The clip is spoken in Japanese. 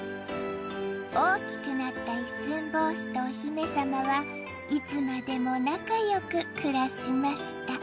大きくなった一寸法師とお姫様はいつまでも仲よく暮らしました。